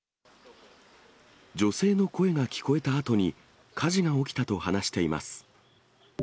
女性の声が聞こえたあとに火事が起きたと話しています。